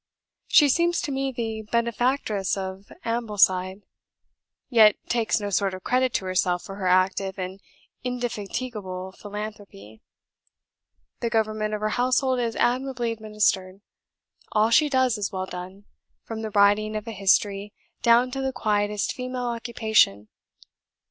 She seems to me the benefactress of Ambleside, yet takes no sort of credit to herself for her active and indefatigable philanthropy. The government of her household is admirably administered: all she does is well done, from the writing of a history down to the quietest female occupation.